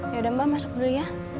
yaudah mbak masuk dulu ya